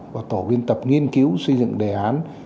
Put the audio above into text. và tổ biên tập nghiên cứu xây dựng đề án